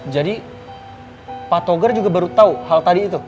jadi pak togar juga baru tahu hal tadi itu